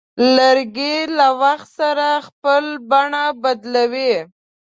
لرګی له وخت سره خپل بڼه بدلوي.